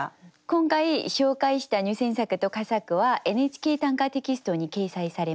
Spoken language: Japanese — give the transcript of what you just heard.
今回紹介した入選作と佳作は「ＮＨＫ短歌」テキストに掲載されます。